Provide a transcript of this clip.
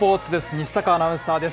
西阪アナウンサーです。